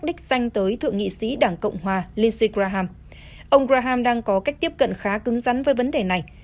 đảng cộng hòa lindsey graham ông graham đang có cách tiếp cận khá cứng rắn với vấn đề này